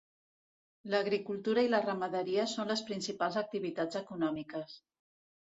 L'agricultura i la ramaderia són les principals activitats econòmiques.